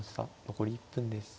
残り１分です。